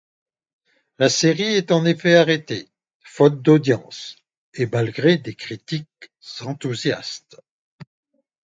La série est en effet arrêtée, faute d'audiences, et malgré des critiques enthousiastes.